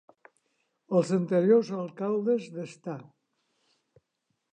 Els anteriors alcaldes de Sta.